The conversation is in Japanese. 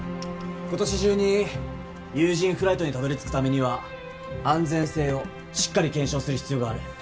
今年中に有人フライトにたどりつくためには安全性をしっかり検証する必要がある。